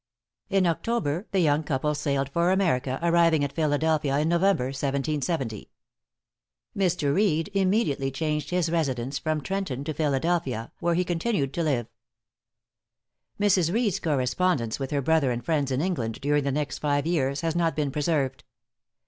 In October, the young couple sailed for America, arriving at Philadelphia in November, 1770. Mr. Reed immediately changed his residence from Trenton to Philadelphia, where he continued to live. Mrs. Reed's correspondence with her brother and friends in England, during the next five years, has not been preserved.